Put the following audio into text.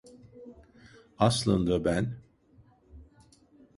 Aslında, ben…